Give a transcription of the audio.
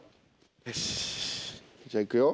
よしっじゃあいくよ。